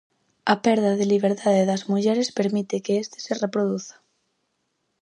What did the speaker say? A perda de liberdade das mulleres permite que este se reproduza.